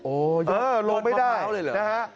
โอ้เออลงไม่ได้ต้นมะพร้าวเลยเหรอนะฮะ